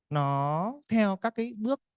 nó theo các cái bước